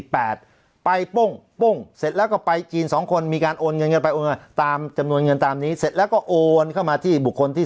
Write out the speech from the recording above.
ไปปุ้งปุ้งเสร็จแล้วก็ไปจีนสองคนมีการโอนเงินกันไปโอนเงินตามจำนวนเงินตามนี้เสร็จแล้วก็โอนเข้ามาที่บุคคลที่